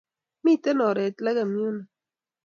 Miten oret lekem yuno